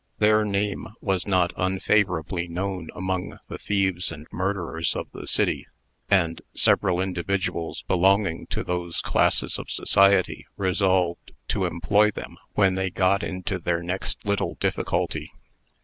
Their name was not unfavorably known among the thieves and murderers of the city; and several individuals belonging to those classes of society resolved to employ them when they got into their next little difficulty.